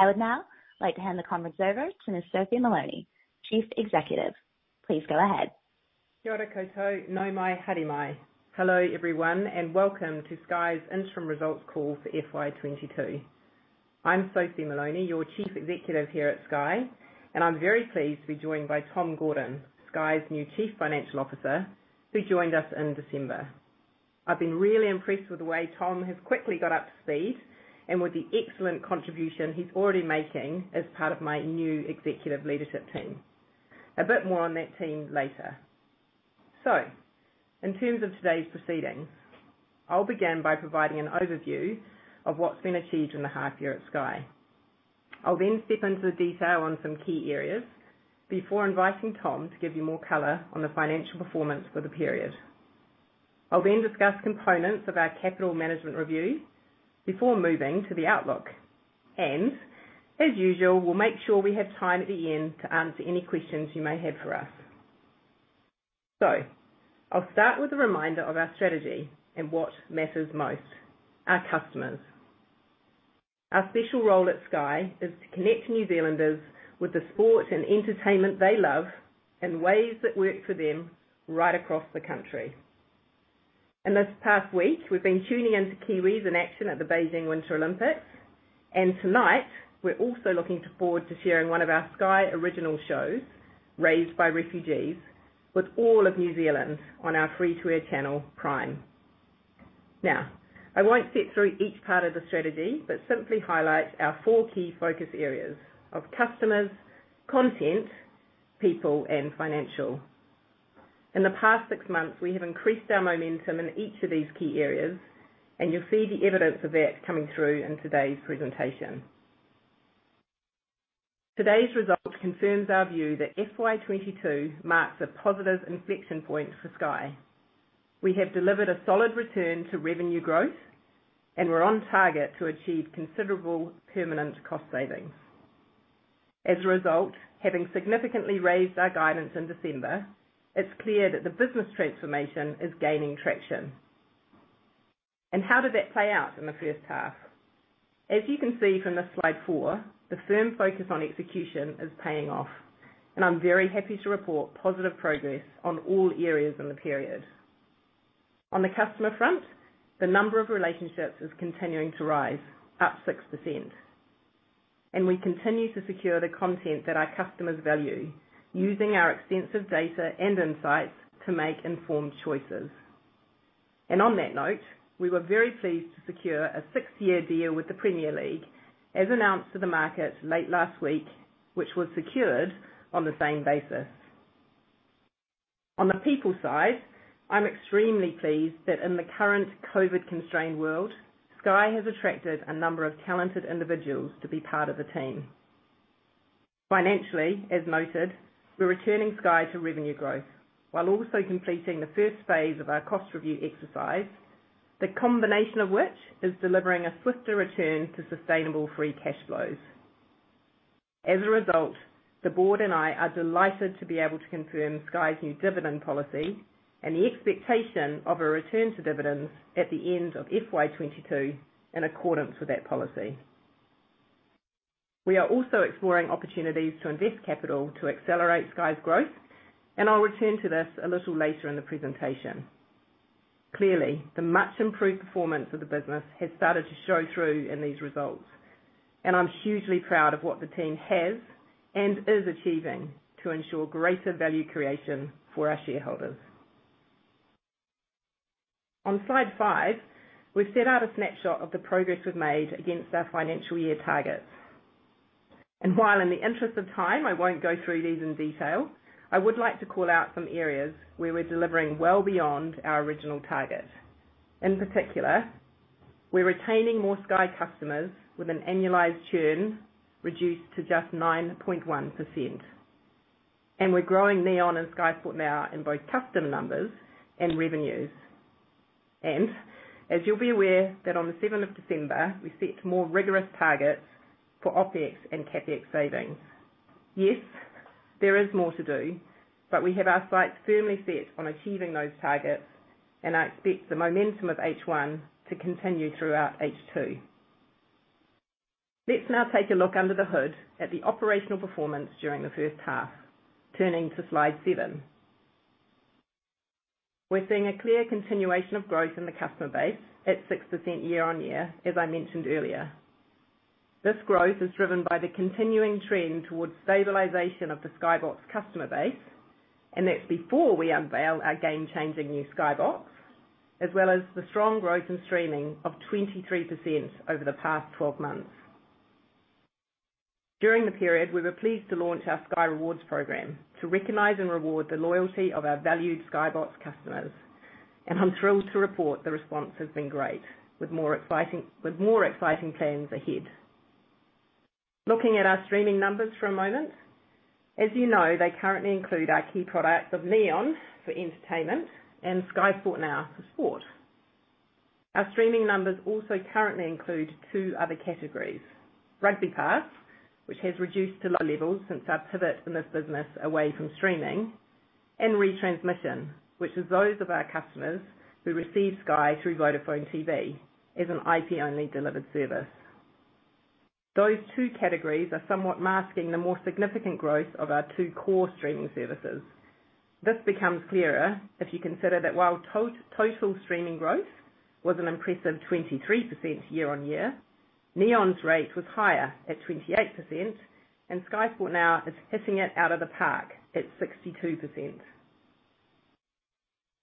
I would now like to hand the conference over to Ms. Sophie Moloney, Chief Executive. Please go ahead. Hello everyone, and welcome to Sky's interim results call for FY 2022. I'm Sophie Moloney, your Chief Executive here at Sky, and I'm very pleased to be joined by Tom Gordon, Sky's new Chief Financial Officer, who joined in December. I've been really impressed with the way Tom has quickly got up to speed and with the excellent contribution he's already making as part of my new executive leadership team. A bit more on that team later. In terms of today's proceedings, I'll begin by providing an overview of what's been achieved in the half at Sky. I'll then step into the detail on some key areas before inviting Tom to give you more color on the financial performance for the period. I'll then discuss components of our capital management review before moving to the outlook. As usual, we'll make sure we have time at the end to answer any questions you may have for us. I'll start with a reminder of our strategy and what matters most, our customers. Our special role at Sky is to connect New Zealanders with the sport and entertainment they love in ways that work for them right across the country. In this past week, we've been tuning into Kiwis in action at the Beijing Winter Olympics. Tonight, we're also looking forward to sharing one of our Sky original shows, Raised by Refugees, with all of New Zealand on our free-to-air channel, Prime. Now, I won't sit through each part of the strategy, but simply highlight our four key focus areas of customers, content, people, and financial. In the past six months, we have increased our momentum in each of these key areas, and you'll see the evidence of that coming through in today's presentation. Today's result confirms our view that FY 2022 marks a positive inflection point for Sky. We have delivered a solid return to revenue growth, and we're on target to achieve considerable permanent cost savings. As a result, having significantly raised our guidance in December, it's clear that the business transformation is gaining traction. How did that play out in the first half? As you can see from the slide 4, the firm focus on execution is paying off, and I'm very happy to report positive progress on all areas in the period. On the customer front, the number of relationships is continuing to rise, up 6%. We continue to secure the content that our customers value, using our extensive data and insights to make informed choices. On that note, we were very pleased to secure a six-year deal with the Premier League, as announced to the market late last week, which was secured on the same basis. On the people side, I'm extremely pleased that in the current COVID-constrained world, Sky has attracted a number of talented individuals to be part of the team. Financially, as noted, we're returning Sky to revenue growth while also completing the first phase of our cost review exercise, the combination of which is delivering a swifter return to sustainable free cash flows. As a result, the board and I are delighted to be able to confirm Sky's new dividend policy and the expectation of a return to dividends at the end of FY 2022 in accordance with that policy. We are also exploring opportunities to invest capital to accelerate Sky's growth, and I'll return to this a little later in the presentation. Clearly, the much improved performance of the business has started to show through in these results, and I'm hugely proud of what the team has and is achieving to ensure greater value creation for our shareholders. On slide 5, we've set out a snapshot of the progress we've made against our financial year targets. While in the interest of time, I won't go through these in detail, I would like to call out some areas where we're delivering well beyond our original target. In particular, we're retaining more Sky customers with an annualized churn reduced to just 9.1%. We're growing Neon and Sky Sport Now in both customer numbers and revenues. As you'll be aware that on the seventh of December, we set more rigorous targets for OpEx and CapEx savings. Yes, there is more to do, but we have our sights firmly set on achieving those targets, and I expect the momentum of H1 to continue throughout H2. Let's now take a look under the hood at the operational performance during the first half. Turning to slide 7. We're seeing a clear continuation of growth in the customer base at 6% year-on-year, as I mentioned earlier. This growth is driven by the continuing trend towards stabilization of the Sky Box customer base, and that's before we unveil our game-changing new Sky Box, as well as the strong growth in streaming of 23% over the past 12 months. During the period, we were pleased to launch our Sky Rewards program to recognize and reward the loyalty of our valued Sky Box customers. I'm thrilled to report the response has been great with more exciting plans ahead. Looking at our streaming numbers for a moment. As you know, they currently include our key products of Neon for entertainment and Sky Sport Now for sport. Our streaming numbers also currently include two other categories, RugbyPass, which has reduced to low levels since our pivot in this business away from streaming. Retransmission, which is those of our customers who receive Sky through Vodafone TV as an IP-only delivered service. Those two categories are somewhat masking the more significant growth of our two core streaming services. This becomes clearer if you consider that while total streaming growth was an impressive 23% year-on-year, Neon's rate was higher at 28%, and Sky Sport Now is hitting it out of the park at 62%.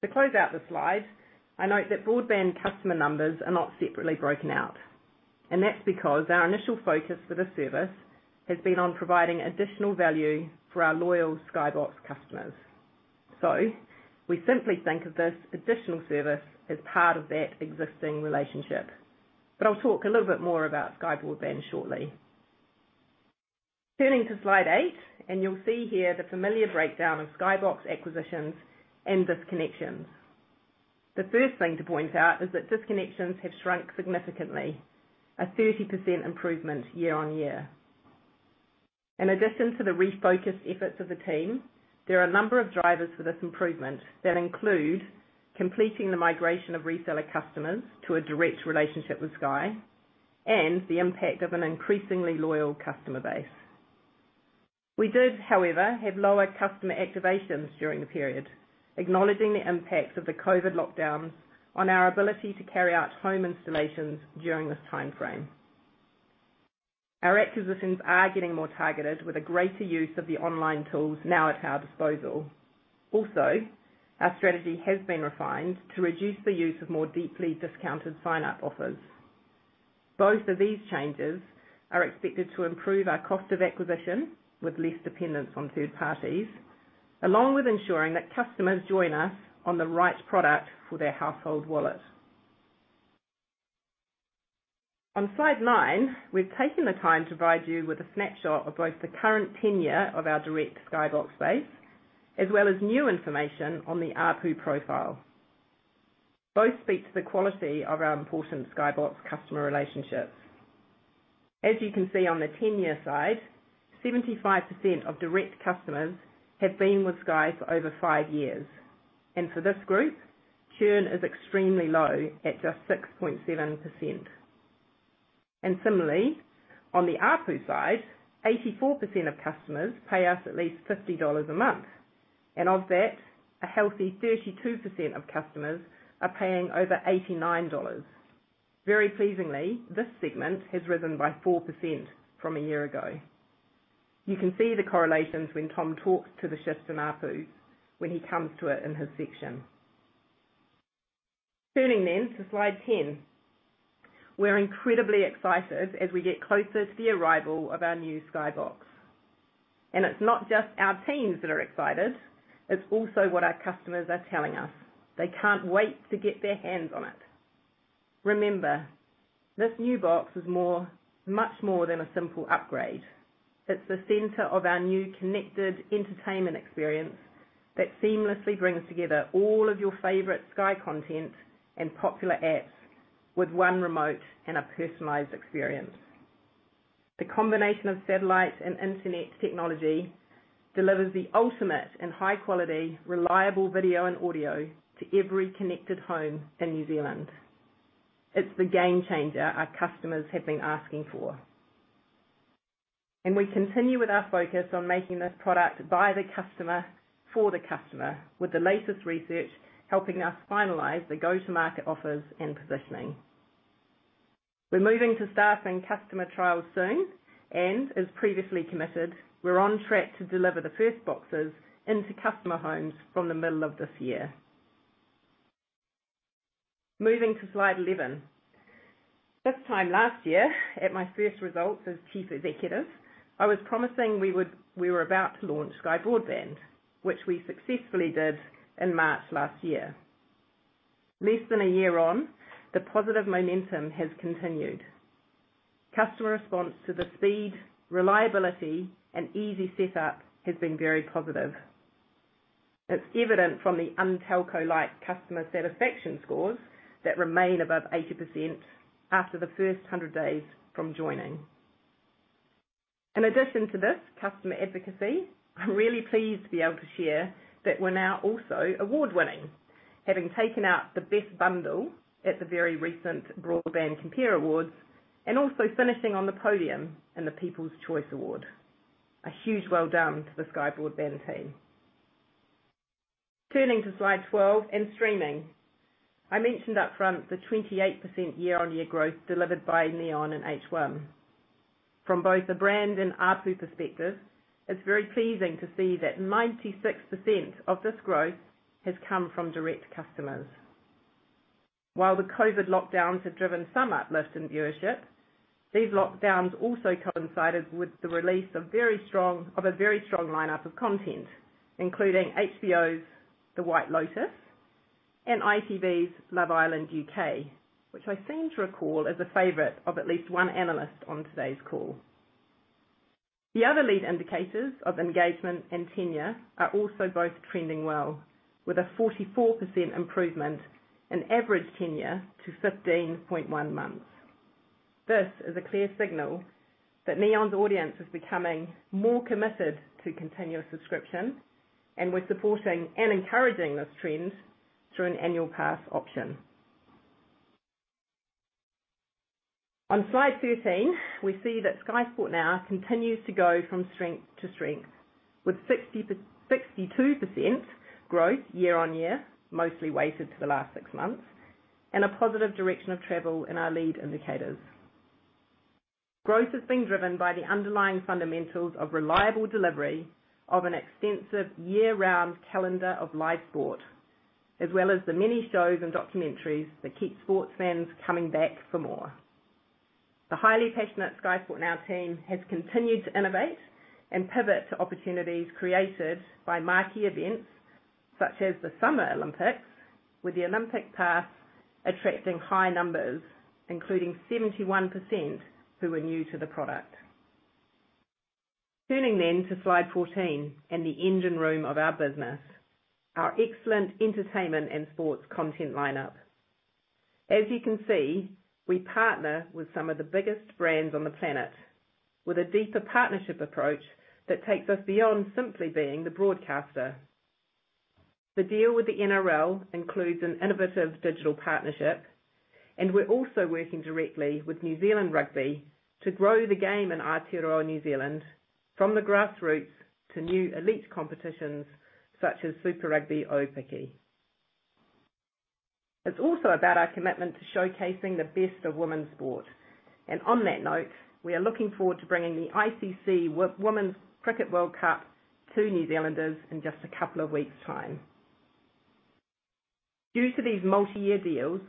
To close out the slide, I note that broadband customer numbers are not separately broken out, and that's because our initial focus for this service has been on providing additional value for our loyal Sky Box customers. We simply think of this additional service as part of that existing relationship. I'll talk a little bit more about Sky Broadband shortly. Turning to slide 8, and you'll see here the familiar breakdown of Sky Box acquisitions and disconnections. The first thing to point out is that disconnections have shrunk significantly, a 30% improvement year-on-year. In addition to the refocused efforts of the team, there are a number of drivers for this improvement that include completing the migration of reseller customers to a direct relationship with Sky and the impact of an increasingly loyal customer base. We did, however, have lower customer activations during the period, acknowledging the impacts of the COVID lockdowns on our ability to carry out home installations during this timeframe. Our acquisitions are getting more targeted with a greater use of the online tools now at our disposal. Also, our strategy has been refined to reduce the use of more deeply discounted sign-up offers. Both of these changes are expected to improve our cost of acquisition with less dependence on third parties, along with ensuring that customers join us on the right product for their household wallet. On slide 9, we've taken the time to provide you with a snapshot of both the current tenure of our direct Sky Box base, as well as new information on the ARPU profile. Both speak to the quality of our important Sky Box customer relationships. As you can see on the tenure side, 75% of direct customers have been with Sky for over five years, and for this group, churn is extremely low at just 6.7%. Similarly, on the ARPU side, 84% of customers pay us at least 50 dollars a month. Of that, a healthy 32% of customers are paying over 89 dollars. Very pleasingly, this segment has risen by 4% from a year ago. You can see the correlations when Tom talks to the shift in ARPU when he comes to it in his section. Turning to slide 10. We're incredibly excited as we get closer to the arrival of our new Sky Box. It's not just our teams that are excited, it's also what our customers are telling us. They can't wait to get their hands on it. Remember, this new box is much more than a simple upgrade. It's the center of our new connected entertainment experience that seamlessly brings together all of your favorite Sky content and popular apps with one remote and a personalized experience. The combination of satellite and internet technology delivers the ultimate and high quality, reliable video and audio to every connected home in New Zealand. It's the game changer our customers have been asking for. We continue with our focus on making this product by the customer, for the customer, with the latest research helping us finalize the go-to-market offers and positioning. We're moving to staff and customer trials soon, and as previously committed, we're on track to deliver the first boxes into customer homes from the middle of this year. Moving to slide 11. This time last year, at my first results as chief executive, I was promising we were about to launch Sky Broadband, which we successfully did in March last year. Less than a year on, the positive momentum has continued. Customer response to the speed, reliability, and easy setup has been very positive. It's evident from the un-telco-like customer satisfaction scores that remain above 80% after the first 100 days from joining. In addition to this customer advocacy, I'm really pleased to be able to share that we're now also award-winning. Having taken out the best bundle at the very recent Broadband Compare Awards, and also finishing on the podium in the People's Choice Award. A huge well done to the Sky Broadband team. Turning to slide 12 and streaming. I mentioned upfront the 28% year-on-year growth delivered by Neon in H1. From both a brand and ARPU perspective, it's very pleasing to see that 96% of this growth has come from direct customers. While the COVID lockdowns have driven some uplift in viewership, these lockdowns also coincided with the release of a very strong lineup of content, including HBO's The White Lotus and ITV's Love Island UK, which I seem to recall is a favorite of at least one analyst on today's call. The other lead indicators of engagement and tenure are also both trending well, with a 44% improvement in average tenure to 15.1 months. This is a clear signal that Neon's audience is becoming more committed to continuous subscription, and we're supporting and encouraging this trend through an annual pass option. On slide 13, we see that Sky Sport Now continues to go from strength to strength, with 62% growth year-on-year, mostly weighted to the last six months, and a positive direction of travel in our lead indicators. Growth has been driven by the underlying fundamentals of reliable delivery of an extensive year-round calendar of live sport, as well as the many shows and documentaries that keep sports fans coming back for more. The highly passionate Sky Sport Now team has continued to innovate and pivot to opportunities created by marquee events such as the Summer Olympics, with the Olympic pass attracting high numbers, including 71% who are new to the product. Turning to slide 14 and the engine room of our business, our excellent entertainment and sports content lineup. As you can see, we partner with some of the biggest brands on the planet with a deeper partnership approach that takes us beyond simply being the broadcaster. The deal with the NRL includes an innovative digital partnership, and we're also working directly with New Zealand Rugby to grow the game in Aotearoa New Zealand from the grassroots to new elite competitions such as Super Rugby Aupiki. It's also about our commitment to showcasing the best of women's sport, and on that note, we are looking forward to bringing the ICC Women's Cricket World Cup to New Zealanders in just a couple of weeks' time. Due to these multi-year deals,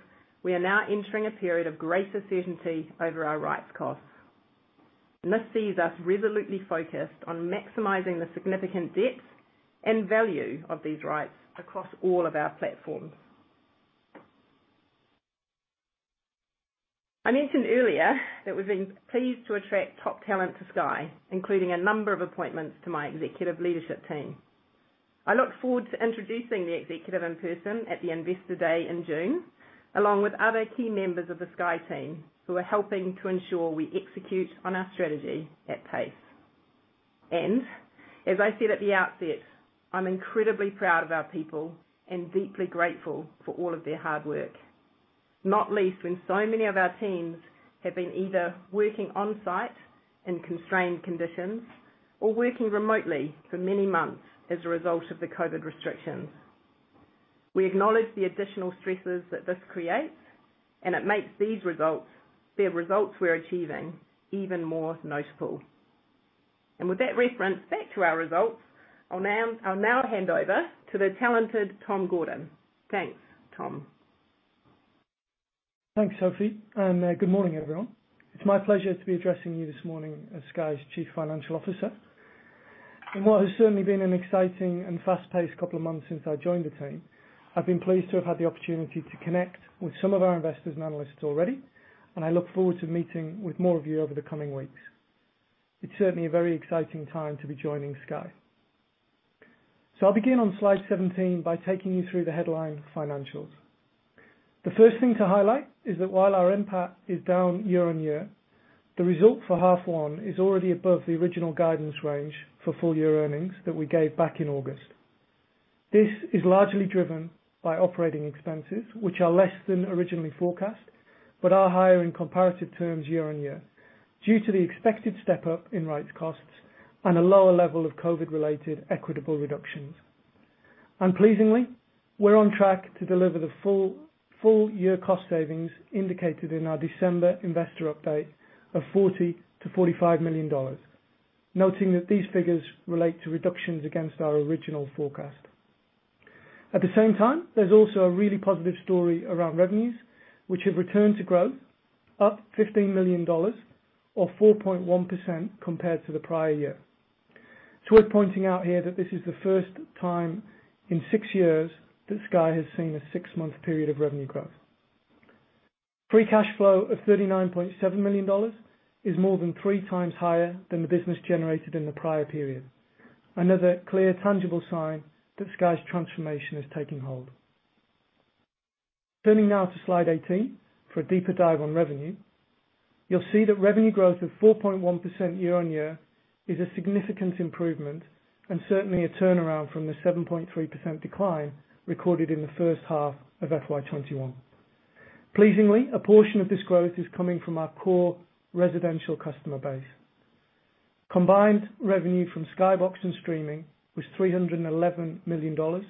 we are now entering a period of greater certainty over our rights costs. This sees us resolutely focused on maximizing the significant depth and value of these rights across all of our platforms. I mentioned earlier that we've been pleased to attract top talent to Sky, including a number of appointments to my executive leadership team. I look forward to introducing the executive in person at the Investor Day in June, along with other key members of the Sky team who are helping to ensure we execute on our strategy at pace. I said at the outset, I'm incredibly proud of our people and deeply grateful for all of their hard work. Not least when so many of our teams have been either working on-site in constrained conditions or working remotely for many months as a result of the COVID restrictions. We acknowledge the additional stresses that this creates, and it makes these results, the results we're achieving, even more notable. With that reference back to our results, I'll now hand over to the talented Tom Gordon. Thanks, Tom. Thanks, Sophie, and good morning, everyone. It's my pleasure to be addressing you this morning as Sky's Chief Financial Officer. In what has certainly been an exciting and fast-paced couple of months since I joined the team, I've been pleased to have had the opportunity to connect with some of our investors and analysts already, and I look forward to meeting with more of you over the coming weeks. It's certainly a very exciting time to be joining Sky. I'll begin on slide 17 by taking you through the headline financials. The first thing to highlight is that while our NPAT is down year-on-year, the result for half one is already above the original guidance range for full year earnings that we gave back in August. This is largely driven by operating expenses, which are less than originally forecast, but are higher in comparative terms year-on-year, due to the expected step-up in rights costs and a lower level of COVID-related equitable reductions. Pleasingly, we're on track to deliver the full year cost savings indicated in our December investor update of 40 million-45 million dollars, noting that these figures relate to reductions against our original forecast. At the same time, there's also a really positive story around revenues, which have returned to growth, up 15 million dollars or 4.1% compared to the prior year. It's worth pointing out here that this is the first time in six years that Sky has seen a six-month period of revenue growth. Free cash flow of 39.7 million dollars is more than three times higher than the business generated in the prior period. Another clear tangible sign that Sky's transformation is taking hold. Turning now to slide 18 for a deeper dive on revenue. You'll see that revenue growth of 4.1% year-on-year is a significant improvement and certainly a turnaround from the 7.3% decline recorded in the first half of FY 2021. Pleasingly, a portion of this growth is coming from our core residential customer base. Combined revenue from Sky Box and streaming was 311 million dollars,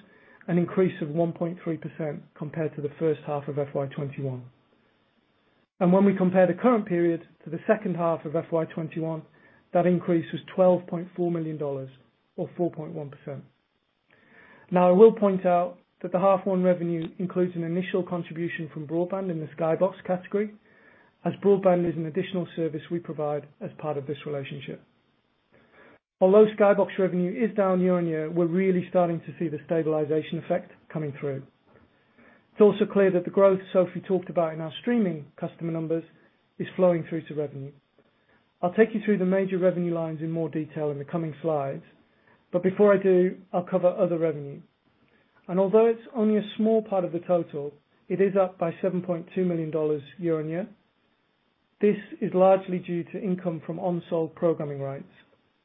an increase of 1.3% compared to the first half of FY 2021. When we compare the current period to the second half of FY 2021, that increase was 12.4 million dollars or 4.1%. Now, I will point out that the H1 revenue includes an initial contribution from broadband in the Sky Box category, as broadband is an additional service we provide as part of this relationship. Although Sky Box revenue is down year-on-year, we're really starting to see the stabilization effect coming through. It's also clear that the growth Sophie talked about in our streaming customer numbers is flowing through to revenue. I'll take you through the major revenue lines in more detail in the coming slides, but before I do, I'll cover other revenue. Although it's only a small part of the total, it is up by 7.2 million dollars year-on-year. This is largely due to income from unsold programming rights,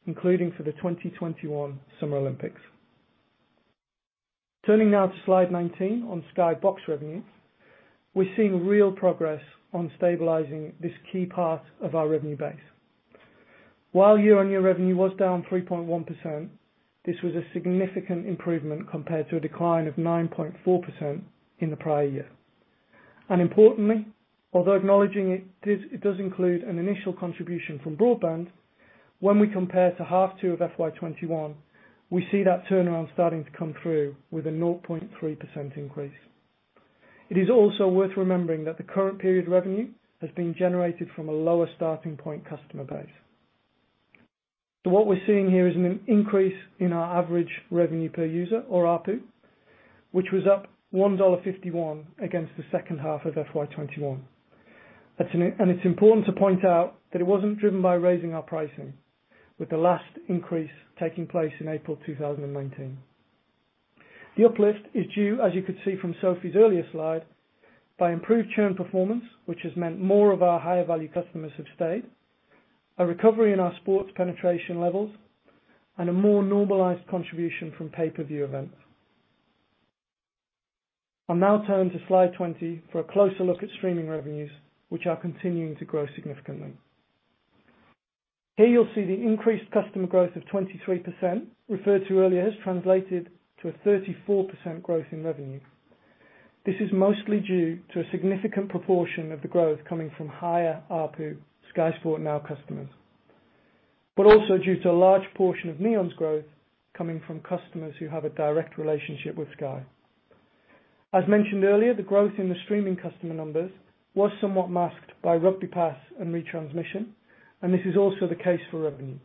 including for the 2021 Summer Olympics. Turning now to slide 19 on Sky Box revenue. We're seeing real progress on stabilizing this key part of our revenue base. While year-on-year revenue was down 3.1%, this was a significant improvement compared to a decline of 9.4% in the prior year. Importantly, although acknowledging it does include an initial contribution from broadband, when we compare to H2 of FY 2021, we see that turnaround starting to come through with a 0.3% increase. It is also worth remembering that the current period revenue has been generated from a lower starting point customer base. What we're seeing here is an increase in our average revenue per user or ARPU, which was up 1.51 dollar against the second half of FY 2021. It's important to point out that it wasn't driven by raising our pricing, with the last increase taking place in April 2019. The uplift is due, as you could see from Sophie's earlier slide, by improved churn performance, which has meant more of our higher value customers have stayed, a recovery in our sports penetration levels, and a more normalized contribution from pay-per-view events. I'll now turn to slide 20 for a closer look at streaming revenues, which are continuing to grow significantly. Here you'll see the increased customer growth of 23% referred to earlier has translated to a 34% growth in revenue. This is mostly due to a significant proportion of the growth coming from higher ARPU Sky Sport Now customers. Also due to a large portion of Neon's growth coming from customers who have a direct relationship with Sky. As mentioned earlier, the growth in the streaming customer numbers was somewhat masked by RugbyPass and retransmission, and this is also the case for revenue.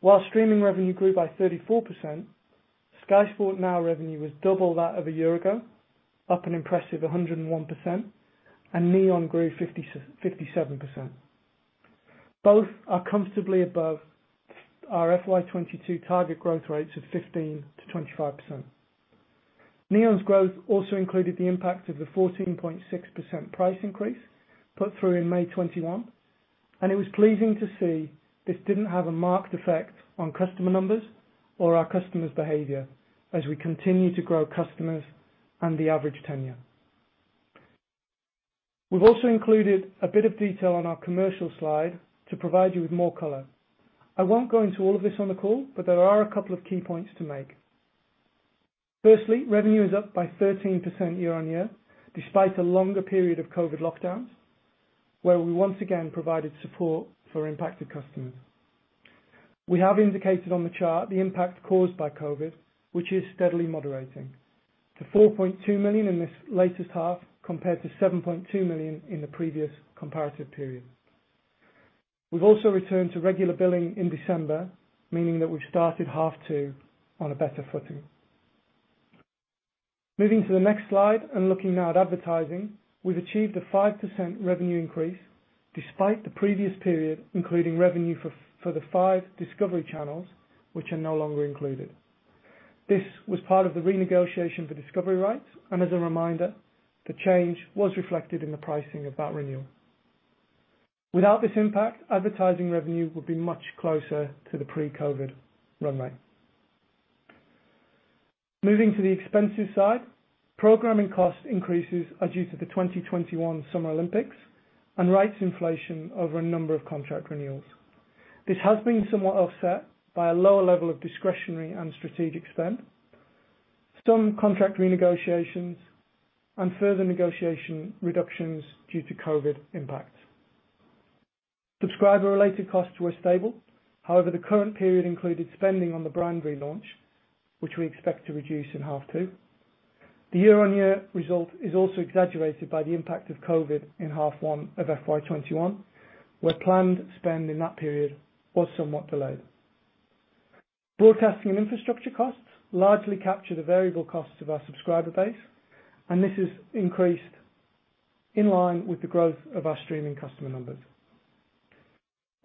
While streaming revenue grew by 34%, Sky Sport Now revenue was double that of a year ago, up an impressive hundred and one percent, and Neon grew fifty-seven percent. Both are comfortably above our FY 2022 target growth rates of 15%-25%. Neon's growth also included the impact of the 14.6% price increase put through in May 2021, and it was pleasing to see this didn't have a marked effect on customer numbers or our customers' behavior as we continue to grow customers and the average tenure. We've also included a bit of detail on our commercial slide to provide you with more color. I won't go into all of this on the call, but there are a couple of key points to make. Firstly, revenue is up by 13% year-on-year, despite a longer period of COVID lockdowns, where we once again provided support for impacted customers. We have indicated on the chart the impact caused by COVID, which is steadily moderating to 4.2 million in this latest half compared to 7.2 million in the previous comparative period. We've also returned to regular billing in December, meaning that we've started half two on a better footing. Moving to the next slide and looking now at advertising, we've achieved a 5% revenue increase despite the previous period, including revenue for the five Discovery channels, which are no longer included. This was part of the renegotiation for Discovery Rights, and as a reminder, the change was reflected in the pricing of that renewal. Without this impact, advertising revenue would be much closer to the pre-COVID run rate. Moving to the expenses side, programming cost increases are due to the 2021 Summer Olympics and rights inflation over a number of contract renewals. This has been somewhat offset by a lower level of discretionary and strategic spend, some contract renegotiations, and further negotiation reductions due to COVID impacts. Subscriber-related costs were stable. However, the current period included spending on the brand relaunch, which we expect to reduce in H2. The year-on-year result is also exaggerated by the impact of COVID in H1 of FY 2021, where planned spend in that period was somewhat delayed. Broadcasting and infrastructure costs largely capture the variable costs of our subscriber base, and this has increased in line with the growth of our streaming customer numbers.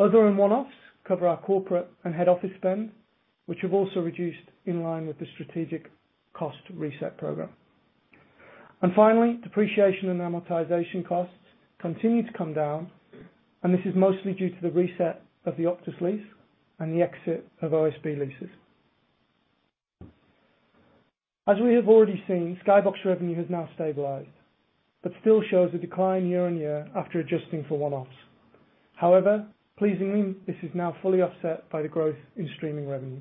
Other and one-offs cover our corporate and head office spend, which have also reduced in line with the strategic cost reset program. Finally, depreciation and amortization costs continue to come down, and this is mostly due to the reset of the Optus lease and the exit of OSB leases. As we have already seen, Sky Box revenue has now stabilized, but still shows a decline year-on-year after adjusting for one-offs. However, pleasingly, this is now fully offset by the growth in streaming revenue.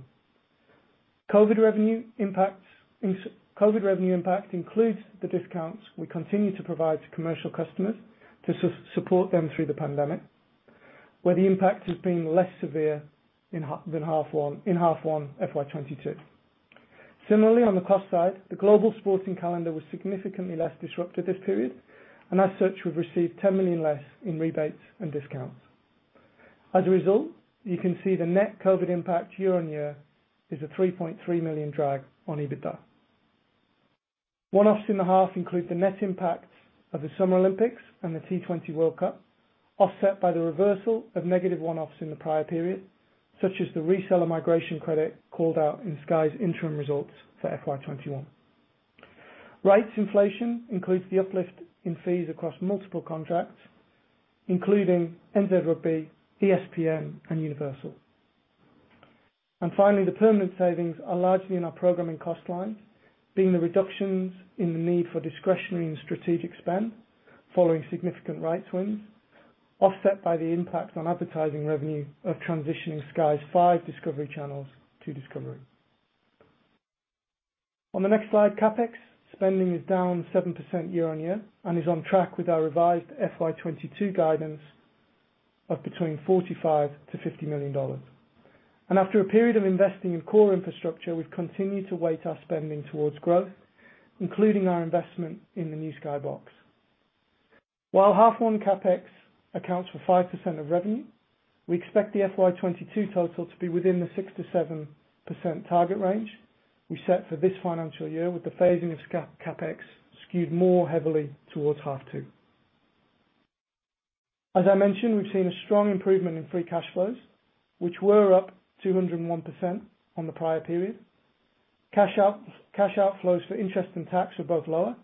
COVID revenue impact includes the discounts we continue to provide to commercial customers to support them through the pandemic, where the impact has been less severe than in H1 FY 2022. Similarly, on the cost side, the global sporting calendar was significantly less disrupted this period, and as such, we've received 10 million less in rebates and discounts. As a result, you can see the net COVID impact year-on-year is a 3.3 million drag on EBITDA. One-offs in the half include the net impact of the Summer Olympics and the T20 World Cup, offset by the reversal of negative one-offs in the prior period, such as the reseller migration credit called out in Sky's interim results for FY 2021. Rights inflation includes the uplift in fees across multiple contracts, including NZ Rugby, ESPN, and Universal. Finally, the permanent savings are largely in our programming cost lines, being the reductions in the need for discretionary and strategic spend following significant rights wins, offset by the impact on advertising revenue of transitioning Sky's five Discovery channels to Discovery. On the next slide, CapEx spending is down 7% year-on-year and is on track with our revised FY 2022 guidance of between 45 million-50 million dollars. After a period of investing in core infrastructure, we've continued to weight our spending towards growth, including our investment in the new Sky Box. While H1 CapEx accounts for 5% of revenue, we expect the FY 2022 total to be within the 6%-7% target range we set for this financial year, with the phasing of CapEx skewed more heavily towards H2. As I mentioned, we've seen a strong improvement in free cash flows, which were up 201% on the prior period. Cash outflows for interest and tax were both lower,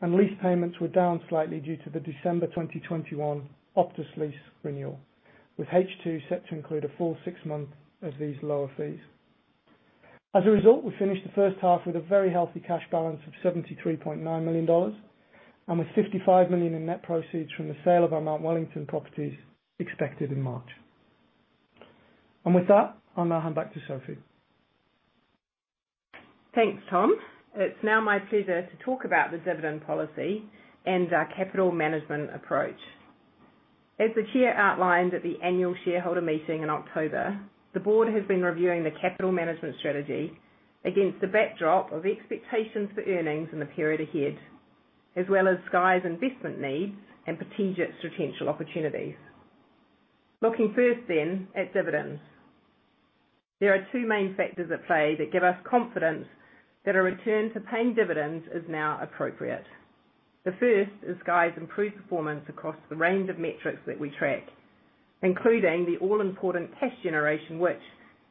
and lease payments were down slightly due to the December 2021 Optus lease renewal, with H2 set to include a full six-month of these lower fees. As a result, we finished the first half with a very healthy cash balance of 73.9 million dollars and with 55 million in net proceeds from the sale of our Mount Wellington properties expected in March. With that, I'll now hand back to Sophie. Thanks, Tom. It's now my pleasure to talk about the dividend policy and our capital management approach. As the chair outlined at the annual shareholder meeting in October, the board has been reviewing the capital management strategy against the backdrop of expectations for earnings in the period ahead, as well as Sky's investment needs and potential opportunities. Looking first then at dividends. There are two main factors at play that give us confidence that a return to paying dividends is now appropriate. The first is Sky's improved performance across the range of metrics that we track, including the all-important cash generation, which,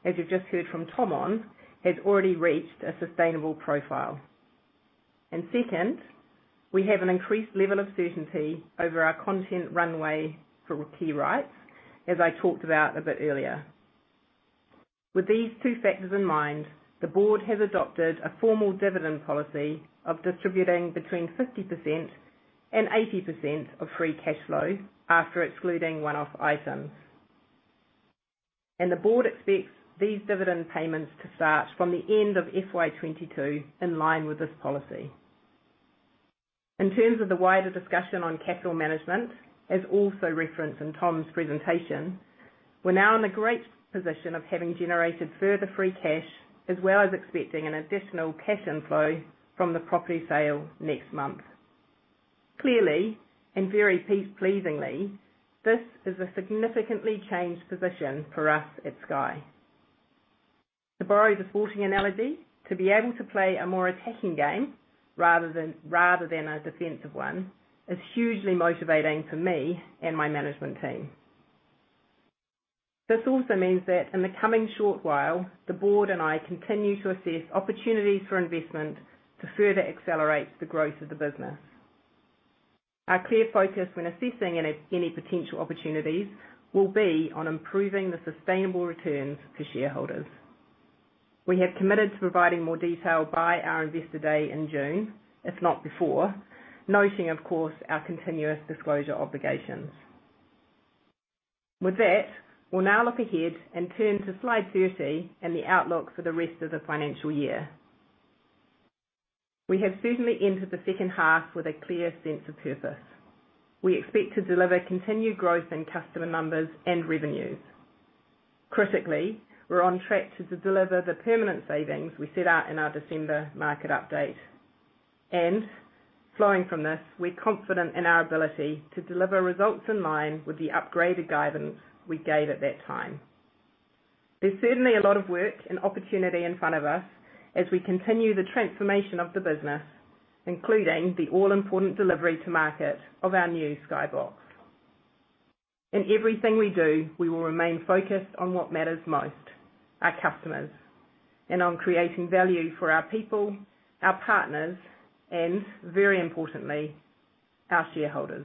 as you've just heard from Tom on, has already reached a sustainable profile. Second, we have an increased level of certainty over our content runway for key rights, as I talked about a bit earlier. With these two factors in mind, the board has adopted a formal dividend policy of distributing between 50% and 80% of free cash flow after excluding one-off items. The board expects these dividend payments to start from the end of FY 2022 in line with this policy. In terms of the wider discussion on capital management, as also referenced in Tom's presentation, we're now in a great position of having generated further free cash, as well as expecting an additional cash inflow from the property sale next month. Clearly, very pleasingly, this is a significantly changed position for us at Sky. To borrow the sporting analogy, to be able to play a more attacking game rather than a defensive one, is hugely motivating for me and my management team. This also means that in the coming short while, the board and I continue to assess opportunities for investment to further accelerate the growth of the business. Our clear focus when assessing any potential opportunities will be on improving the sustainable returns to shareholders. We have committed to providing more detail by our investor day in June, if not before, noting, of course, our continuous disclosure obligations. With that, we'll now look ahead and turn to slide 30 and the outlook for the rest of the financial year. We have certainly entered the second half with a clear sense of purpose. We expect to deliver continued growth in customer numbers and revenues. Critically, we're on track to deliver the permanent savings we set out in our December market update. Flowing from this, we're confident in our ability to deliver results in line with the upgraded guidance we gave at that time. There's certainly a lot of work and opportunity in front of us as we continue the transformation of the business, including the all-important delivery to market of our new Sky Box. In everything we do, we will remain focused on what matters most, our customers, and on creating value for our people, our partners, and very importantly, our shareholders.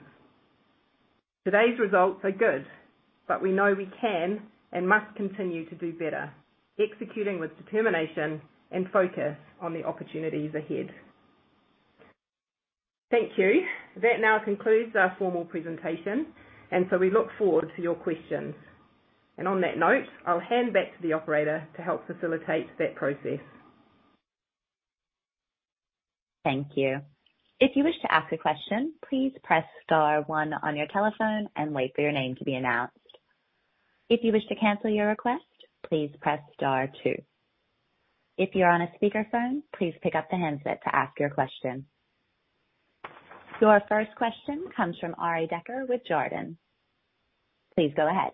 Today's results are good, but we know we can and must continue to do better, executing with determination and focus on the opportunities ahead. Thank you. That now concludes our formal presentation, and so we look forward to your questions. On that note, I'll hand back to the operator to help facilitate that process. Thank you. If you wish to ask a question, please press star one on your telephone and wait for your name to be announced. If you wish to cancel your request, please press star two. If you're on a speakerphone, please pick up the handset to ask your question. Your first question comes from Arie Dekker with Jarden. Please go ahead.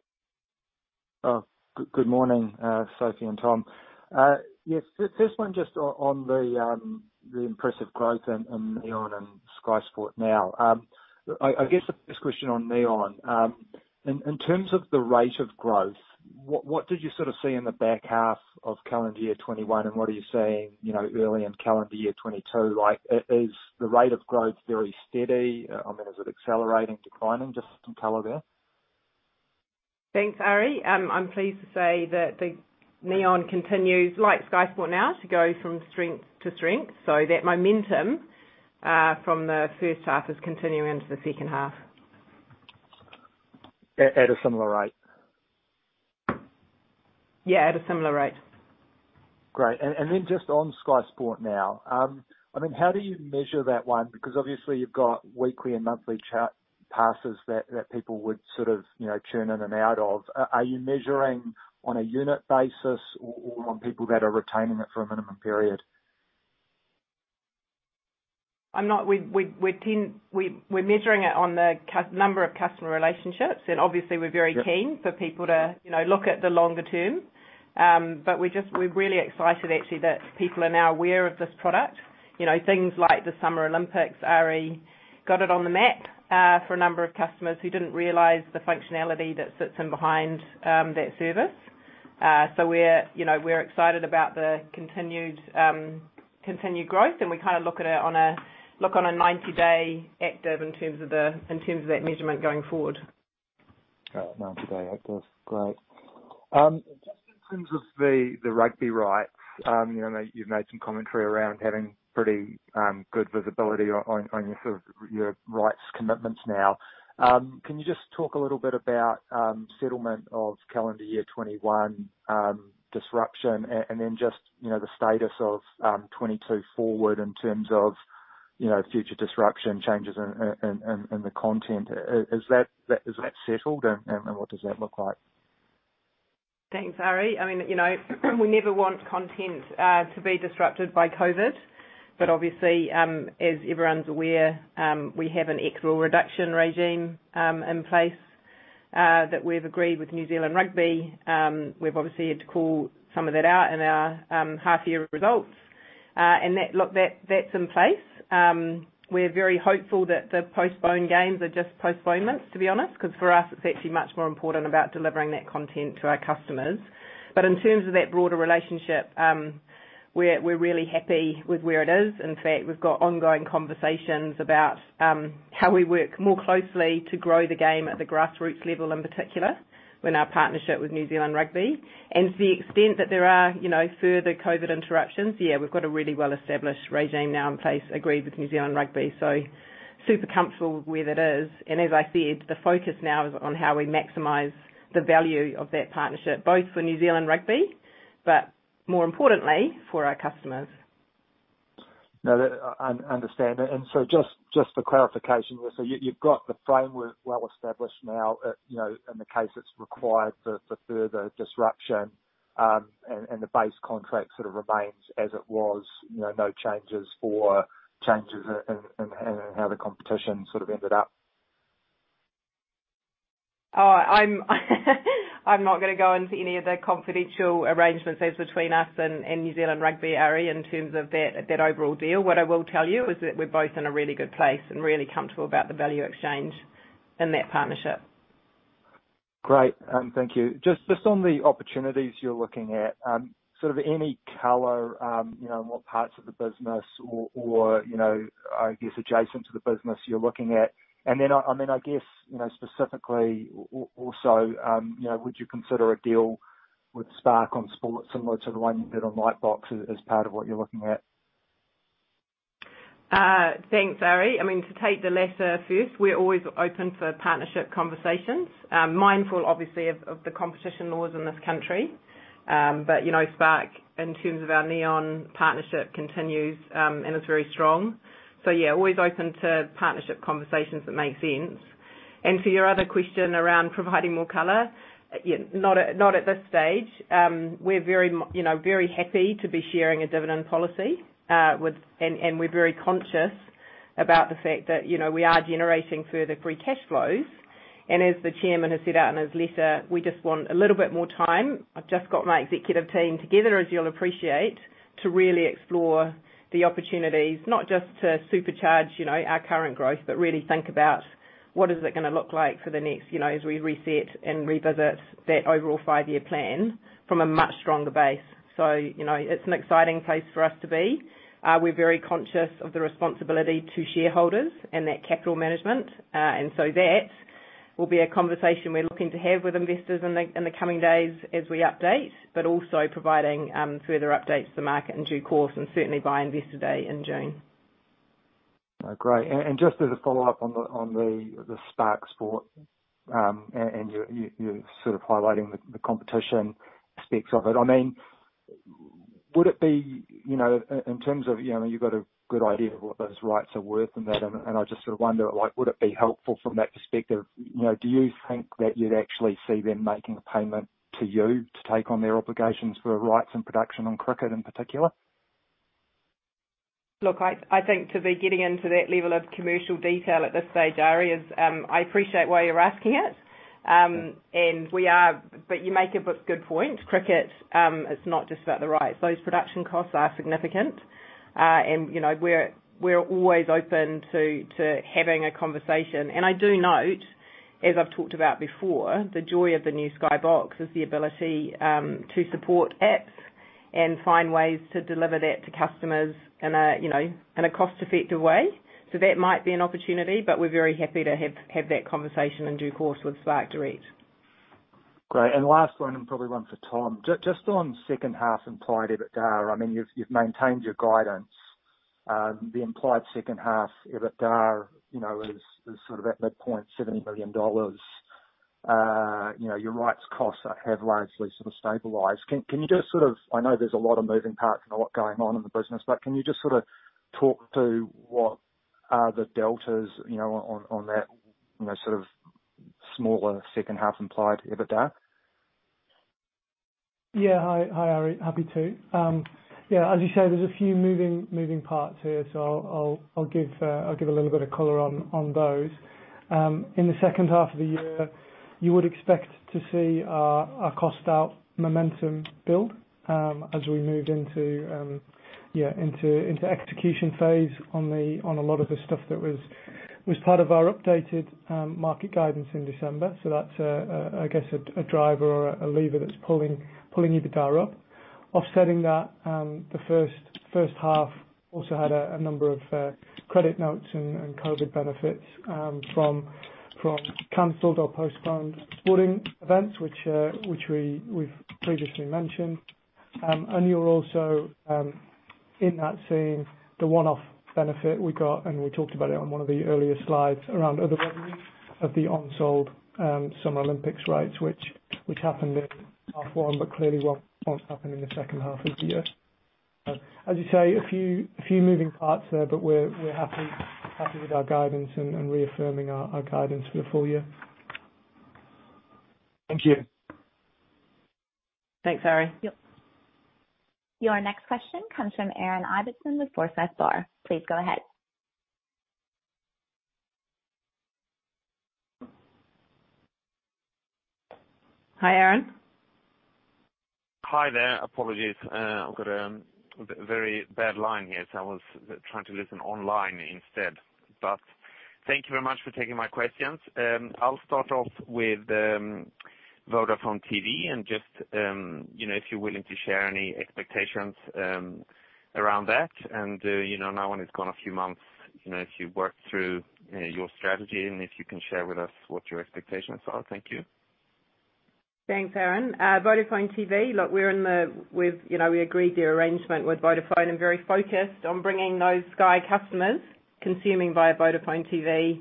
Oh, good morning, Sophie and Tom. Yes, first one just on the impressive growth in Neon and Sky Sport Now. I guess the first question on Neon, in terms of the rate of growth, what did you sort of see in the back half of calendar year 2021, and what are you seeing, early in calendar year 2022? Like, is the rate of growth very steady? I mean, is it accelerating, declining? Just some color there. Thanks, Arie. I'm pleased to say that the Neon continues, like Sky Sport Now, to go from strength to strength, so that momentum from the first half is continuing into the second half. At a similar rate? Yeah, at a similar rate. Great. Then just on Sky Sport Now, I mean, how do you measure that one? Because obviously you've got weekly and monthly passes that people would sort of, tune in and out of. Are you measuring on a unit basis or on people that are retaining it for a minimum period? We're keen. We're measuring it on the number of customer relationships, and obviously we're very keen. Yep. for people to, look at the longer term. We're really excited actually that people are now aware of this product. You know, things like the Summer Olympics, Ari, got it on the map for a number of customers who didn't realize the functionality that sits in behind that service. You know, we're excited about the continued growth, and we kinda look at it on a 90-day active in terms of that measurement going forward. All right. 90-day active. Great. Just in terms of the rugby rights, I know you've made some commentary around having pretty good visibility on your sort of your rights commitments now. Can you just talk a little bit about settlement of calendar year 2021 and then just, the status of 2022 forward in terms of, future disruption, changes in the content. Is that settled and what does that look like? Thanks, Ari. I mean, we never want content to be disrupted by COVID, but obviously, as everyone's aware, we have an equal reduction regime in place that we've agreed with New Zealand Rugby. We've obviously had to call some of that out in our half year results. And that's in place. We're very hopeful that the postponed games are just postponements, to be honest, 'cause for us, it's actually much more important about delivering that content to our customers. In terms of that broader relationship, we're really happy with where it is. In fact, we've got ongoing conversations about how we work more closely to grow the game at the grassroots level, in particular, in our partnership with New Zealand Rugby. To the extent that there are, further COVID interruptions, yeah, we've got a really well-established regime now in place, agreed with New Zealand Rugby. Super comfortable with where that is. As I said, the focus now is on how we maximize the value of that partnership, both for New Zealand Rugby, but more importantly, for our customers. No, that I understand. Just for clarification, you've got the framework well established now, in case it's required for further disruption, and the base contract sort of remains as it was, no changes or changes in how the competition sort of ended up? Oh, I'm not gonna go into any of the confidential arrangements that's between us and New Zealand Rugby, Ari, in terms of that overall deal. What I will tell you is that we're both in a really good place and really comfortable about the value exchange in that partnership. Great. Thank you. Just on the opportunities you're looking at, sort of any color, in what parts of the business or, I guess, specifically also, would you consider a deal with Spark on sport similar to the one you did on Lightbox as part of what you're looking at? Thanks, Arie. I mean, to take the latter first, we're always open for partnership conversations. Mindful obviously of the competition laws in this country. You know, Spark in terms of our Neon partnership continues and is very strong. Yeah, always open to partnership conversations that make sense. To your other question around providing more color, yeah, not at this stage. We're very happy to be sharing a dividend policy. We're very conscious about the fact that, we are generating further free cash flows. As the chairman has set out in his letter, we just want a little bit more time. I've just got my executive team together, as you'll appreciate, to really explore the opportunities, not just to supercharge, our current growth, but really think about what is it gonna look like for the next, as we reset and revisit that overall five-year plan from a much stronger base. You know, it's an exciting place for us to be. We're very conscious of the responsibility to shareholders and that capital management. That will be a conversation we're looking to have with investors in the coming days as we update but also providing further updates to market in due course and certainly by Investor Day in June. Oh, great. Just as a follow-up on the Spark Sport, and you're sort of highlighting the competition aspects of it. I mean, would it be, in terms of, you've got a good idea of what those rights are worth and that, and I just sort of wonder, like, would it be helpful from that perspective? You know, do you think that you'd actually see them making a payment to you to take on their obligations for rights and production on cricket in particular? Look, I think to be getting into that level of commercial detail at this stage, Ari. I appreciate why you're asking it. But you make a good point. Cricket is not just about the rights. Those production costs are significant. You know, we're always open to having a conversation. I do note, as I've talked about before, the joy of the new Sky Box is the ability to support apps and find ways to deliver that to customers in a cost-effective way. That might be an opportunity, but we're very happy to have that conversation in due course with Spark directly. Great. Last one, and probably one for Tom. Just on second half implied EBITDA, I mean, you've maintained your guidance. The implied second half EBITDA, is sort of at midpoint, NZD 70 million. You know, your rights costs have largely sort of stabilized. Can you just sort of talk to what are the deltas, on that, sort of smaller second half implied EBITDA? Yeah. Hi, Arie. Happy to. Yeah, as you say, there's a few moving parts here, so I'll give a little bit of color on those. In the second half of the year, you would expect to see our cost out momentum build as we move into execution phase on a lot of the stuff that was part of our updated market guidance in December. That's a driver or a lever that's pulling EBITDA up. Offsetting that, the first half also had a number of credit notes and COVID benefits from canceled or postponed sporting events, which we previously mentioned. You're also in that same the one-off benefit we got, and we talked about it on one of the earlier slides, around other revenues of the unsold Summer Olympics rights, which happened in half one, but clearly won't happen in the second half of the year. As you say, a few moving parts there, but we're happy with our guidance and reaffirming our guidance for the full year. Thank you. Thanks, Ari. Yep. Your next question comes from Aaron Ibbotson with Forsyth Barr. Please go ahead. Hi, Aaron. Hi there. Apologies. I've got a very bad line here, so I was trying to listen online instead. Thank you very much for taking my questions. I'll start off with Vodafone TV and just if you're willing to share any expectations around that. Now when it's gone a few months, if you've worked through your strategy and if you can share with us what your expectations are. Thank you. Thanks, Aaron. Vodafone TV, we agreed the arrangement with Vodafone and very focused on bringing those Sky customers consuming via Vodafone TV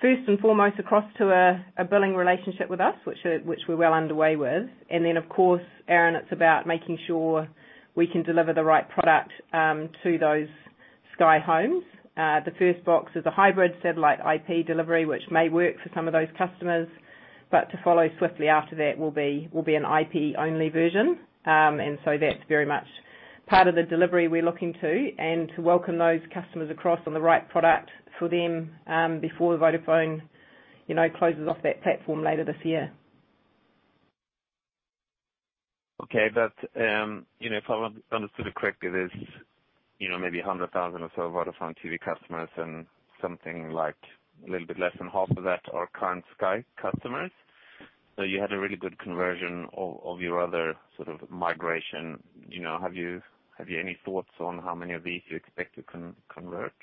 first and foremost across to a billing relationship with us, which we're well underway with. Aaron, it's about making sure we can deliver the right product to those Sky homes. The first box is a hybrid satellite IP delivery, which may work for some of those customers. But to follow swiftly after that will be an IP-only version. That's very much part of the delivery we're looking to and to welcome those customers across on the right product for them before Vodafone closes off that platform later this year. You know, if I understood it correctly, there's maybe 100,000 or so of Vodafone TV customers and something like a little bit less than half of that are current Sky customers. You had a really good conversion of your other sort of migration. You know, have you any thoughts on how many of these you expect to convert?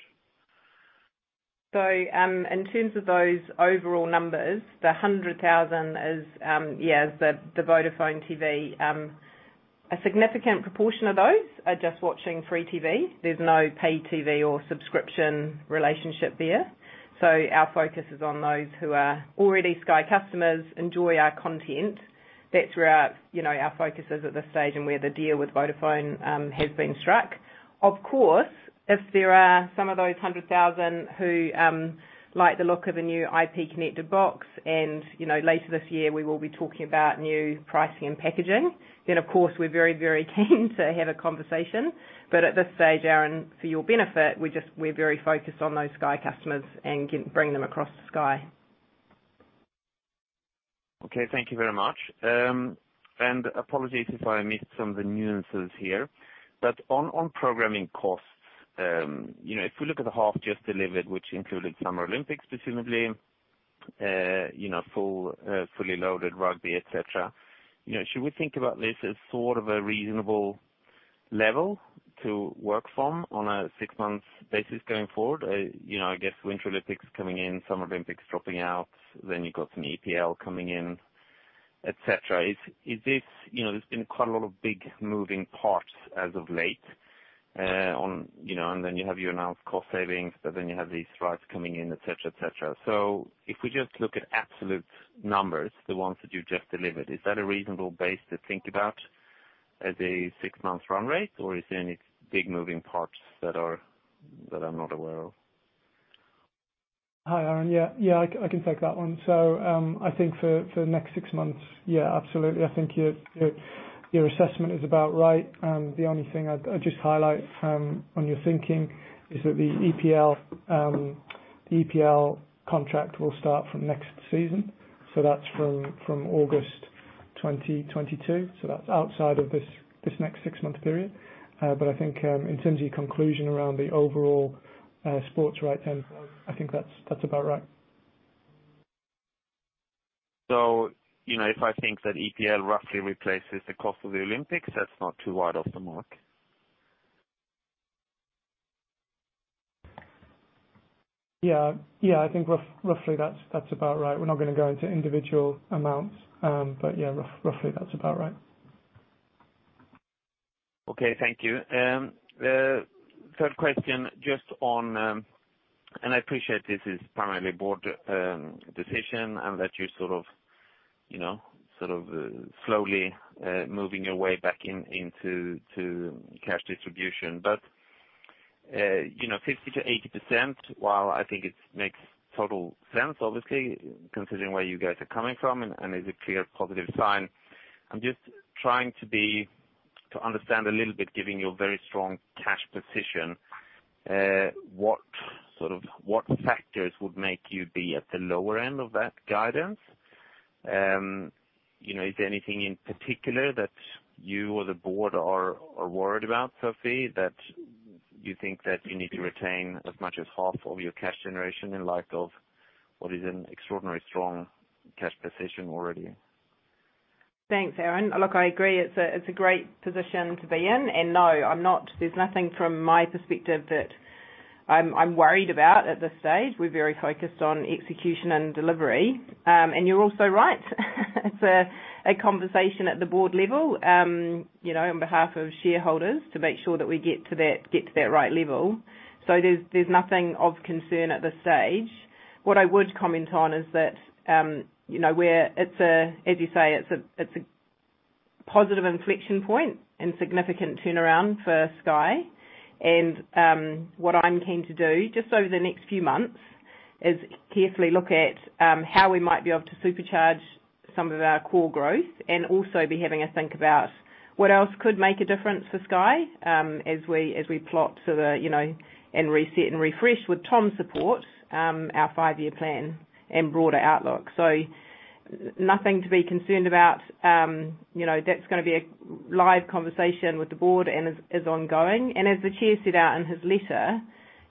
In terms of those overall numbers, the 100,000 is the Vodafone TV. A significant proportion of those are just watching free TV. There's no paid TV or subscription relationship there. Our focus is on those who are already Sky customers, enjoy our content. That's where our, our focus is at this stage and where the deal with Vodafone has been struck. Of course, if there are some of those 100,000 who like the look of a new IP-connected box and, later this year we will be talking about new pricing and packaging, then of course we're very, very keen to have a conversation. But at this stage, Aaron, for your benefit, we're very focused on those Sky customers and bring them across to Sky. Okay. Thank you very much. Apologies if I missed some of the nuances here. On programming costs, if we look at the half just delivered, which included Summer Olympics, presumably, fully loaded rugby, et cetera, should we think about this as sort of a reasonable level to work from on a six-month basis going forward? You know, I guess Winter Olympics coming in, Summer Olympics dropping out, then you've got some EPL coming in, et cetera. Is this, there's been quite a lot of big moving parts as of late, on, and then you have your announced cost savings, but then you have these strikes coming in, et cetera, et cetera. If we just look at absolute numbers, the ones that you just delivered, is that a reasonable base to think about as a six-month run rate, or is there any big moving parts that are, that I'm not aware of? Hi, Aaron. Yeah. Yeah, I can take that one. I think for the next six months, yeah, absolutely. I think your assessment is about right. The only thing I'd just highlight on your thinking is that the EPL contract will start from next season, so that's from August 2022, so that's outside of this next six-month period. But I think in terms of your conclusion around the overall sports rights then, I think that's about right. You know, if I think that EPL roughly replaces the cost of the Olympics, that's not too wide off the mark. Yeah. Yeah, I think roughly that's about right. We're not gonna go into individual amounts, but yeah, roughly that's about right. Okay, thank you. The third question just on, and I appreciate this is primarily a board decision and that you're sort of, slowly moving your way back into cash distribution. You know, 50%-80%, while I think it's makes total sense, obviously, considering where you guys are coming from and is a clear positive sign, I'm just trying to understand a little bit, given your very strong cash position, what sort of factors would make you be at the lower end of that guidance? You know, is there anything in particular that you or the board are worried about, Sophie, that you think that you need to retain as much as half of your cash generation in light of what is an extraordinary strong cash position already? Thanks, Aaron. Look, I agree. It's a great position to be in. No, I'm not. There's nothing from my perspective that I'm worried about at this stage. We're very focused on execution and delivery. You're also right. It's a conversation at the board level, on behalf of shareholders to make sure that we get to that right level. There's nothing of concern at this stage. What I would comment on is that, it's a, as you say, it's a positive inflection point and significant turnaround for Sky. What I'm keen to do, just over the next few months, is carefully look at how we might be able to supercharge some of our core growth and also be having a think about what else could make a difference for Sky, as we plot sort of, and reset and refresh with Tom's support, our five-year plan and broader outlook. Nothing to be concerned about. You know, that's gonna be a live conversation with the board and is ongoing. As the chair set out in his letter,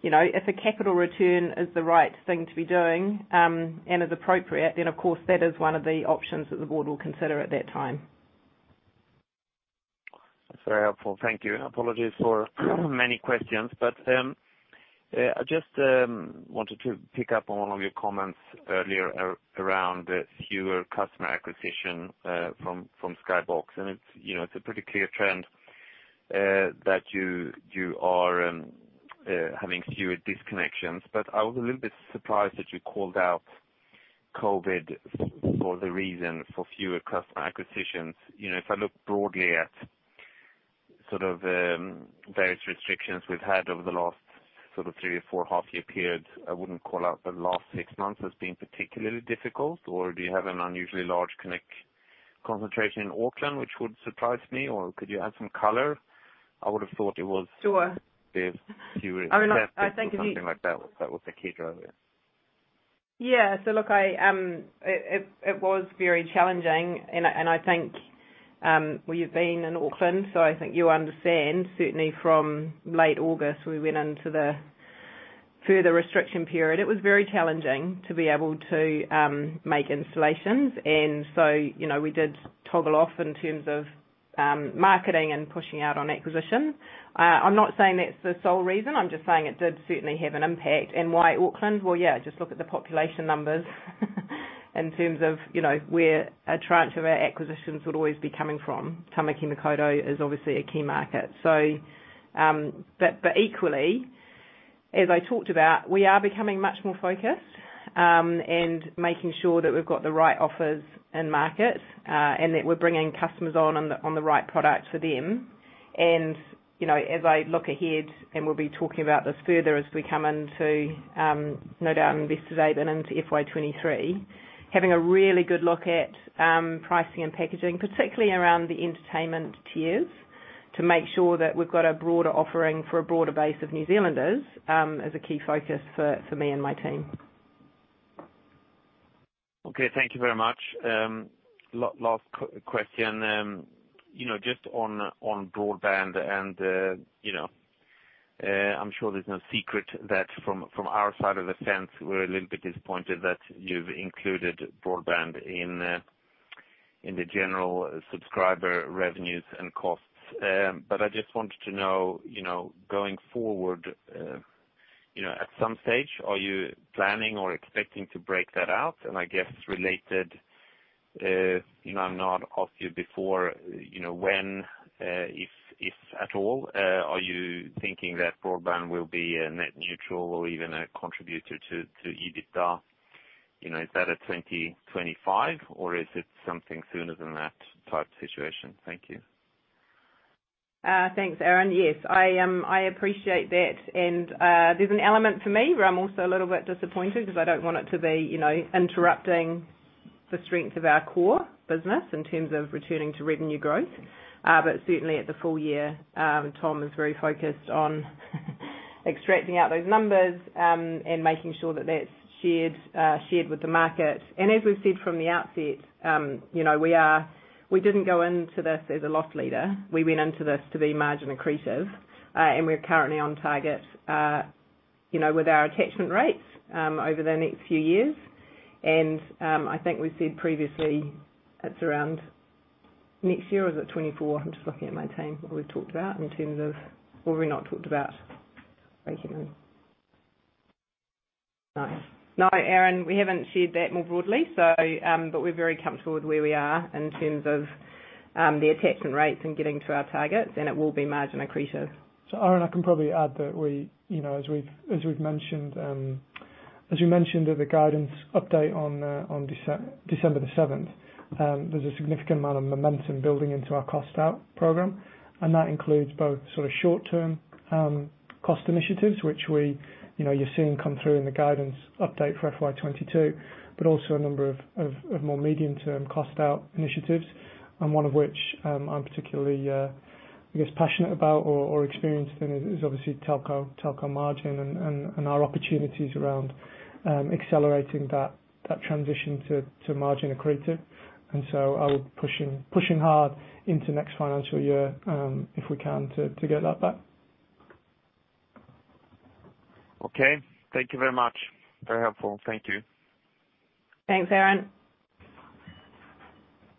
if a capital return is the right thing to be doing, and is appropriate, then of course, that is one of the options that the board will consider at that time. That's very helpful. Thank you. Apologies for many questions, but I just wanted to pick up on one of your comments earlier around the fewer customer acquisition from Sky Box. It's, it's a pretty clear trend that you are having fewer disconnections. I was a little bit surprised that you called out COVID for the reason for fewer customer acquisitions. You know, if I look broadly at sort of various restrictions we've had over the last sort of three or four half-year periods, I wouldn't call out the last six months as being particularly difficult. Do you have an unusually large customer concentration in Auckland which would surprise me? Could you add some color? I would've thought it was Sure ...the fewer- I mean, I think if you. Something like that was the key driver. Yeah. Look, it was very challenging and I think, well you've been in Auckland, so I think you understand certainly from late August, we went into the further restriction period. It was very challenging to be able to make installations. You know, we did toggle off in terms of marketing and pushing out on acquisition. I'm not saying that's the sole reason. I'm just saying it did certainly have an impact. Why Auckland? Well, yeah, just look at the population numbers in terms of, where a tranche of our acquisitions would always be coming from. Tamaki Makaurau is obviously a key market. Equally, as I talked about, we are becoming much more focused and making sure that we've got the right offers in market and that we're bringing customers on the right product for them. You know, as I look ahead, we'll be talking about this further as we come into, no doubt, Investor Day, but into FY 2023, having a really good look at pricing and packaging, particularly around the entertainment tiers, to make sure that we've got a broader offering for a broader base of New Zealanders, is a key focus for me and my team. Okay. Thank you very much. Last question. You know, just on broadband and,, I'm sure there's no secret that from our side of the fence, we're a little bit disappointed that you've included broadband in the general subscriber revenues and costs. I just wanted to know, going forward, at some stage, are you planning or expecting to break that out? I guess related, I've not asked you before, when, if at all, are you thinking that broadband will be a net neutral or even a contributor to EBITDA? You know, is that a 2025, or is it something sooner than that type situation? Thank you. Thanks, Aaron. Yes, I appreciate that. There's an element for me where I'm also a little bit disappointed because I don't want it to be, interrupting the strength of our core business in terms of returning to revenue growth. Certainly at the full year, Tom is very focused on extracting out those numbers, and making sure that that's shared with the market. As we've said from the outset, we didn't go into this as a loss leader. We went into this to be margin accretive, and we're currently on target, with our attachment rates, over the next few years. I think we said previously, it's around next year or is it 2024? I'm just looking at my team, what we've talked about in terms of or we've not talked about. No, Aaron, we haven't shared that more broadly, so but we're very comfortable with where we are in terms of the attachment rates and getting to our targets, and it will be margin accretive. Aaron, I can probably add that we, as we've mentioned at the guidance update on December 7, there's a significant amount of momentum building into our cost out program, and that includes both sort of short-term cost initiatives, which we, you're seeing come through in the guidance update for FY 2022, but also a number of more medium-term cost out initiatives. One of which, I'm particularly, I guess, passionate about or experienced in is obviously telco margin and our opportunities around accelerating that transition to margin accretive. I would be pushing hard into next financial year, if we can, to get that back. Okay. Thank you very much. Very helpful. Thank you. Thanks, Aaron.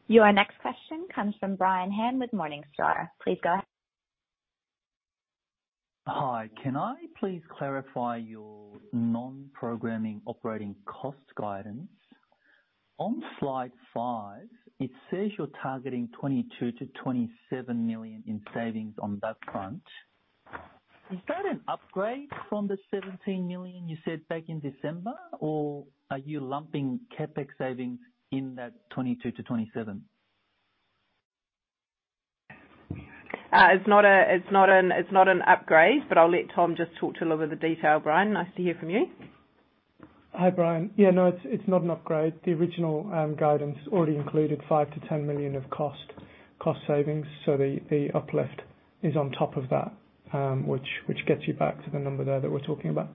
Your next question comes from Brian Han with Morningstar. Please go ahead. Hi. Can I please clarify your non-programming operating cost guidance? On slide 5, it says you're targeting 22 million-27 million in savings on that front. Is that an upgrade from the 17 million you said back in December, or are you lumping CapEx savings in that 22 million-27 million? It's not an upgrade, but I'll let Tom just talk to a lot of the detail. Brian, nice to hear from you. Hi, Brian. Yeah, no, it's not an upgrade. The original guidance already included 5 million-10 million of cost savings. The uplift is on top of that, which gets you back to the number there that we're talking about.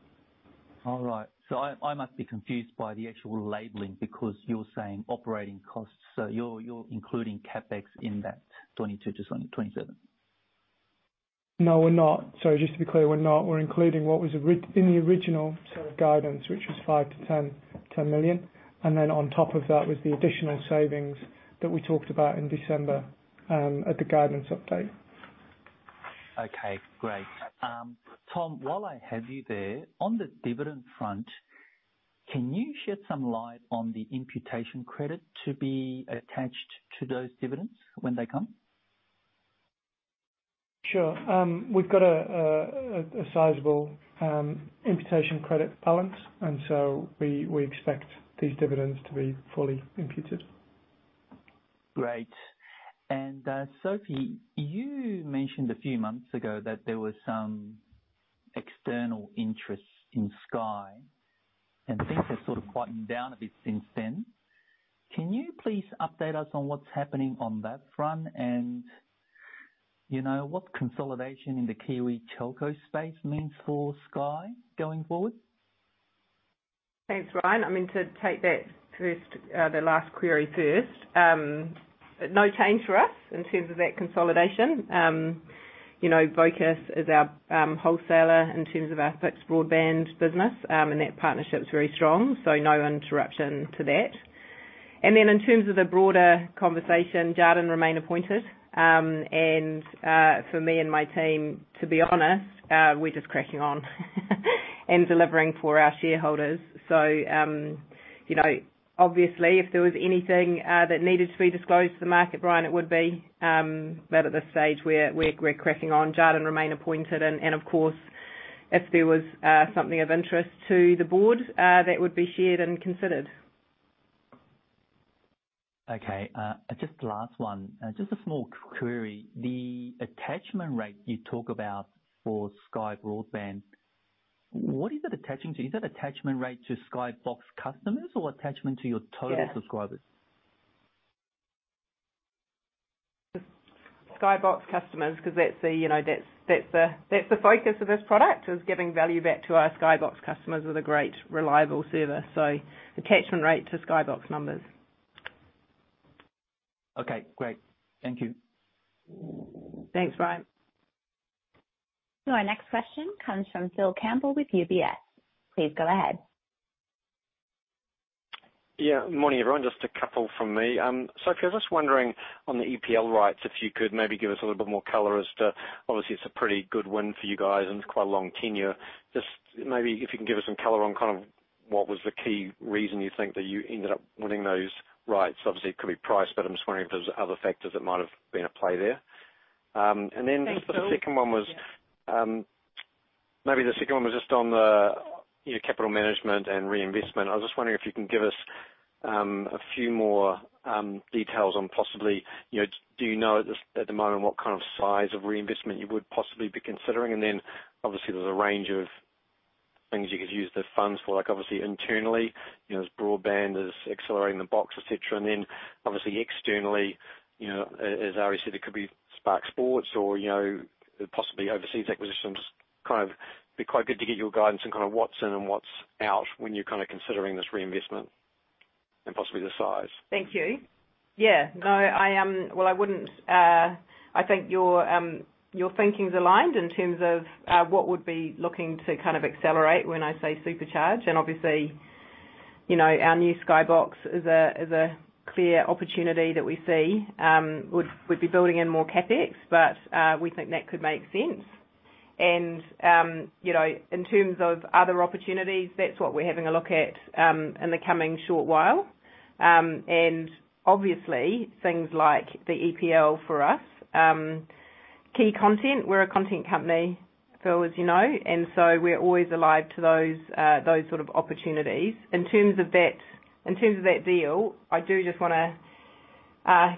All right. I must be confused by the actual labeling because you're saying operating costs, so you're including CapEx in that 22-27. No, we're not. Just to be clear, we're not. We're including what was in the original set of guidance, which was 5 million-10 million, and then on top of that was the additional savings that we talked about in December, at the guidance update. Okay, great. Tom, while I have you there, on the dividend front, can you shed some light on the imputation credit to be attached to those dividends when they come? Sure. We've got a sizable imputation credit balance, and we expect these dividends to be fully imputed. Great. Sophie, you mentioned a few months ago that there was some external interest in Sky, and things have sort of quieted down a bit since then. Can you please update us on what's happening on that front? You know, what consolidation in the Kiwi telco space means for Sky going forward? Thanks, Brian. I mean, to take that first, the last query first, no change for us in terms of that consolidation. You know, Vocus is our wholesaler in terms of our fixed broadband business, and that partnership's very strong, so no interruption to that. Then in terms of the broader conversation, Jarden remain appointed, and for me and my team, to be honest, we're just cracking on and delivering for our shareholders. You know, obviously, if there was anything that needed to be disclosed to the market, Brian, it would be. But at this stage, we're cracking on. Jarden remain appointed, and of course, if there was something of interest to the board, that would be shared and considered. Okay. Just last one, just a small query. The attachment rate you talk about for Sky Broadband, what is it attaching to? Is that attachment rate to Sky Box customers or attachment to your total subscribers? Sky Box customers, 'cause that's the, that's the focus of this product, is giving value back to our Sky Box customers with a great, reliable service. Attachment rate to Sky Box numbers. Okay, great. Thank you. Thanks, Brian. Our next question comes from Phil Campbell with UBS. Please go ahead. Yeah. Morning, everyone. Just a couple from me. Sophie, I was just wondering on the EPL rights, if you could maybe give us a little bit more color as to. Obviously, it's a pretty good win for you guys, and it's quite a long tenure. Just maybe if you can give us some color on kind of what was the key reason you think that you ended up winning those rights. Obviously, it could be price, but I'm just wondering if there's other factors that might have been at play there. And then- Thanks, Phil. Just the second one was- Yeah Maybe the second one was just on the, you know, capital management and reinvestment. I was just wondering if you can give us a few more details on possibly, you know, do you know at this, at the moment what kind of size of reinvestment you would possibly be considering? Obviously there's a range of things you could use the funds for, like obviously internally, you know, as broadband, as accelerating the box, et cetera. Obviously externally, you know, as Ari said, it could be Spark Sport or, you know, possibly overseas acquisitions. Kind of be quite good to get your guidance on kinda what's in and what's out when you're kinda considering this reinvestment and possibly the size. Thank you. Yeah. No, well, I wouldn't. I think your thinking's aligned in terms of what we'd be looking to kind of accelerate when I say supercharge. Obviously, you know, our new Sky Box is a clear opportunity that we see. We'd be building in more CapEx, but we think that could make sense. You know, in terms of other opportunities, that's what we're having a look at in the coming short while. Obviously, things like the EPL for us, key content. We're a content company, Phil, as you know, and so we're always alive to those sorts of opportunities. In terms of that deal, I do just wanna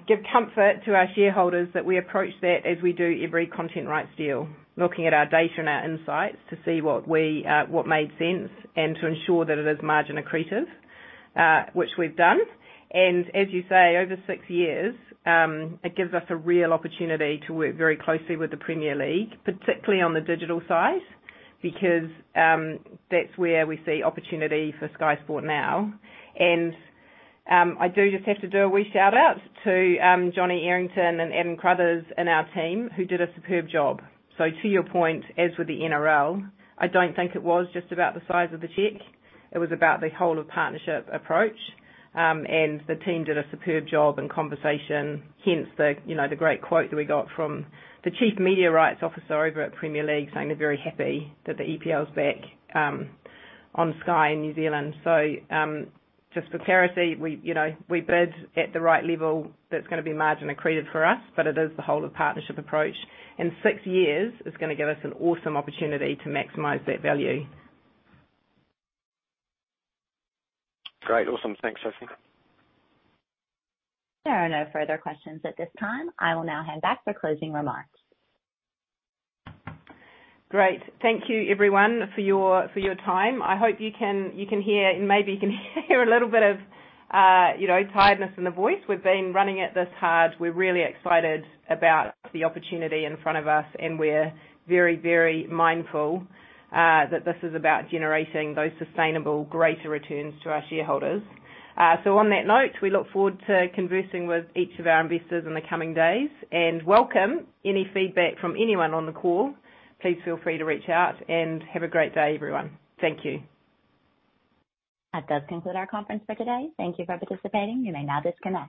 give comfort to our shareholders that we approach that as we do every content rights deal, looking at our data and our insights to see what made sense and to ensure that it is margin accretive, which we've done. As you say, over six years, it gives us a real opportunity to work very closely with the Premier League, particularly on the digital side because that's where we see opportunity for Sky Sport Now. I do just have to do a wee shout-out to Jonny Errington and Adam Crothers in our team who did a superb job. To your point, as with the NRL, I don't think it was just about the size of the check. It was about the whole of partnership approach. The team did a superb job in conversation, hence the, you know, the great quote that we got from the chief media rights officer over at Premier League saying they're very happy that the EPL's back on Sky in New Zealand. Just for clarity, we, you know, we bid at the right level that's gonna be margin accretive for us, but it is the whole of partnership approach, and six years is gonna give us an awesome opportunity to maximize that value. Great. Awesome. Thanks, Sophie. There are no further questions at this time. I will now hand back for closing remarks. Great. Thank you everyone for your time. I hope you can hear, maybe you can hear a little bit of, tiredness in the voice. We've been running it this hard. We're really excited about the opportunity in front of us, and we're very, very mindful that this is about generating those sustainable greater returns to our shareholders. On that note, we look forward to conversing with each of our investors in the coming days and welcome any feedback from anyone on the call. Please feel free to reach out and have a great day everyone. Thank you. That does conclude our conference for today. Thank you for participating. You may now disconnect.